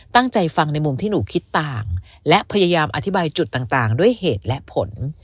ตั้งใจฟังในมุมที่หนูคิดต่างและพยายามอธิบายจุดต่างด้วยเหตุและผล